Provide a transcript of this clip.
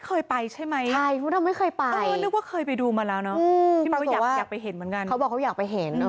โอ้นึกว่าเคยไปดูมันแล้วเนาะ